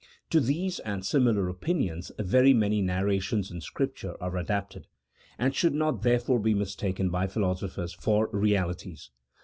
To these and similar opinions very many narrations in ! Scripture are adapted, and should not, therefore, be mis taken by philosophers for realities.